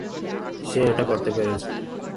সে এটা করতে পেরেছে।